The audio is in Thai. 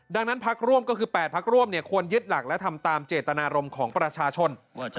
ดังนั้นพักร่วมก็คือ๘พักร่วมควรยึดหลักและทำตามเจตนารมณ์ของประชาชน